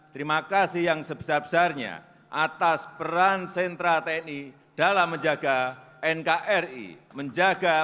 terima kasih yang sebesar besarnya atas komitmen seluruh jajaran tni dalam memegang teguh sumpah prajurit